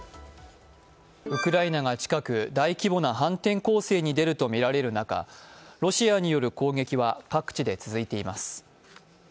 ウクライナが近く大規模な反転攻勢に出るとみられる中、ロシアによる攻撃は各地で続いています。